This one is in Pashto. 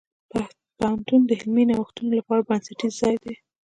پوهنتون د علمي نوښتونو لپاره بنسټیز ځای دی.